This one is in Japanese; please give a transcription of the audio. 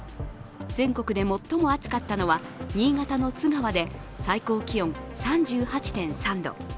全国で最も暑かったのは新潟の津川で最高気温３８．３度。